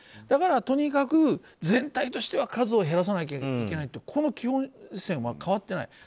だから、とにかく全体としては数を減らさなきゃいけないとここの基本方針は変わってない。